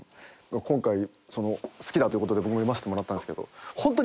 今回好きだということで僕も読ましてもらったんですけどホントに何？